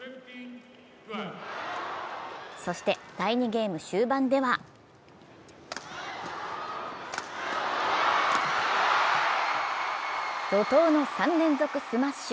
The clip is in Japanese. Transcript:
そして第２ゲーム終盤では怒とうの３連続スマッシュ。